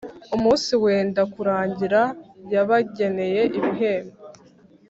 umunsi wenda kurangira, yabageneye ibihembo